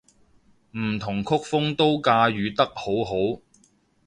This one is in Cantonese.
唔同曲風都駕馭得好好